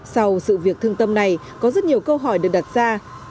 sau sự việc thương tâm này có rất nhiều câu hỏi được đặt ra